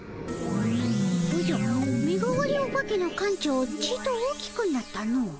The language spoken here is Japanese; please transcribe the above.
お化けの館長ちっと大きくなったの。